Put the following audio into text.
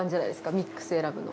ミックス選ぶの。